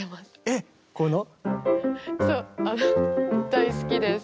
大好きです。